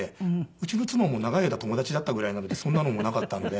うちの妻も長い間友達だったぐらいなのでそんなのもなかったので。